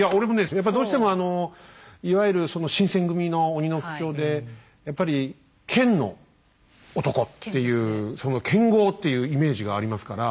やっぱりどうしてもいわゆる新選組の鬼の副長でやっぱり剣の男っていうその剣豪っていうイメージがありますから。